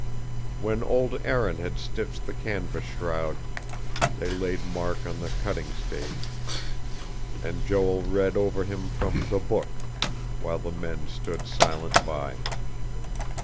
When old Aaron had stitched the canvas shroud, they laid Mark on the cutting stage; and Joel read over him from the Book, while the men stood silent by.